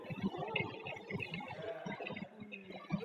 富士冢是富士信仰模仿富士山营造的人工的山或冢。